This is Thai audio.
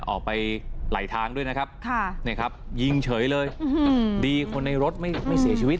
ออกไปไหลทางด้วยนะครับยิงเฉยเลยดีคนในรถไม่เสียชีวิต